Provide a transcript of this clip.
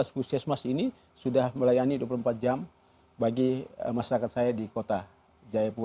tujuh belas puskesmas ini sudah melayani dua puluh empat jam bagi masyarakat saya di kota jayapura